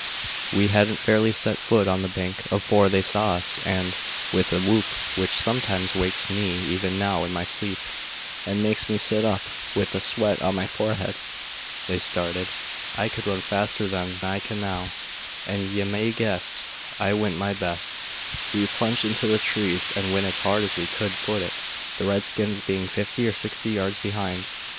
We hadn't fairly set foot on the bank afore they saw us and, with a whoop which sometimes wakes me even now in my sleep and makes me sit up with the sweat on my forehead they started. I could run faster then than I can now, and ye may guess I went my best. We plunged into the trees and went as hard as we could foot it, the redskins being fifty or sixty yards behind.